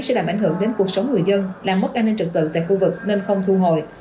sẽ làm ảnh hưởng đến cuộc sống người dân làm mất an ninh trực tự tại khu vực nên không thu hồi